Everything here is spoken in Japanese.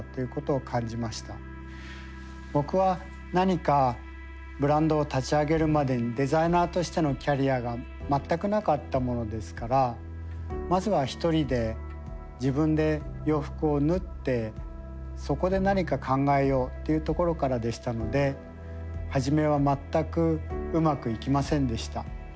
僕は何かブランドを立ち上げるまでにデザイナーとしてのキャリアが全くなかったものですからまずは一人で自分で洋服を縫ってそこで何か考えようっていうところからでしたので初めは全くうまくいきませんでした。